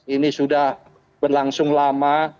ini sudah berlangsung lama